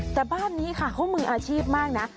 แต่บ้านนี้ค่ะเขามืออาชีพมากนะ